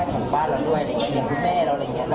เพราะคุณแม่ทราบไหมว่ามีด้วย